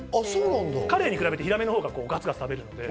カレイに比べて、ヒラメのほうがガツガツ食べる。